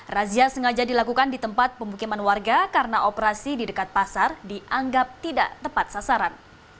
razia sengaja dilakukan di tempat pemukiman warga karena operasi di dekat pasar dianggap tidak tepat sasaran